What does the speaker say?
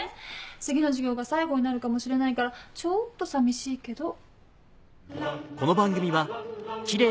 次の授業が最後になるかもしれないからちょっと寂しいけど。